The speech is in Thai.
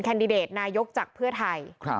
ดิเดตนายกจากเพื่อไทย